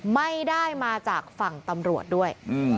ไม่ได้มาจากฝั่งตำรวจด้วย